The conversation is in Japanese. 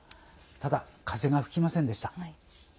ただ、風が吹きませんでした。